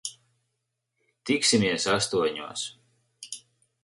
Tiksimies astoņos.